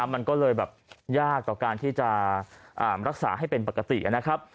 มันก็เลยแบบยากต่อการที่จะรักษาให้เป็นปกตินะครับ